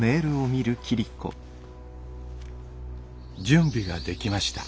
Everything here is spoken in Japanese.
「準備が出来ました。